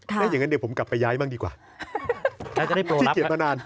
อย่างนั้นเดี๋ยวผมกลับไปย้ายบ้างดีกว่าที่เกลียดมานาน